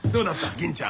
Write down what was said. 銀ちゃん。